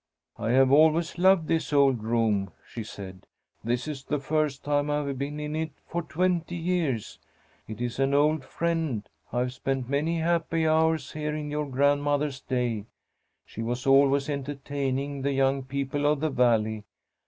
"I have always loved this old room," she said. "This is the first time I have been in it for twenty years. It is an old friend. I have spent many happy hours here in your grandmother's day. She was always entertaining the young people of the Valley.